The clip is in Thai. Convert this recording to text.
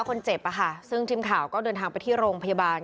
คนเจ็บอ่ะค่ะซึ่งทีมข่าวก็เดินทางไปที่โรงพยาบาล